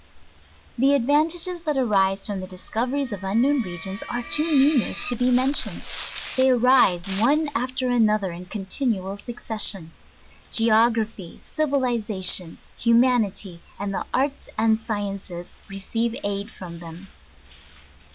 The advantages that arise from the discoveries of unknown regions, are too numerous to be mentioned. They arise one after another in continual succession. Geography, Civiliza tion, Humanity, and the Arts and Sciences, receive aid from them.